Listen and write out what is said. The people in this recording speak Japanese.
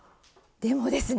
でもですね